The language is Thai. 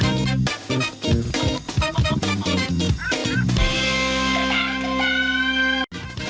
ข้าวใส่ไทยสอบกว่าใครใหม่กว่าเดิมค่อยเมื่อล่า